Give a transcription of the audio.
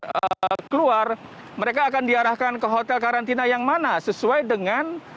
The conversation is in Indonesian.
kemudian setelah mereka hasil tes pcr keluar mereka akan diarahkan ke hotel karantina yang mana sesuai dengan